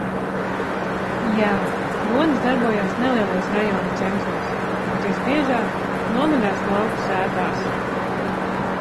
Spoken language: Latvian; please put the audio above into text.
-Jā. Kronis darbojās nelielos rajona centros. Bet visbiežāk- nomaļās lauku sētās.